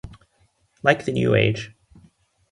Like the New Age.